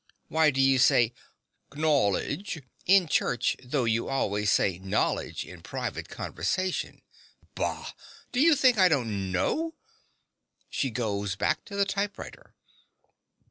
Why do you say "knoaledge" in church, though you always say "knolledge" in private conversation! Bah! do you think I don't know? (She goes back to the typewriter.)